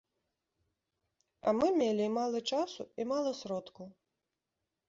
А мы мелі і мала часу, і мала сродкаў.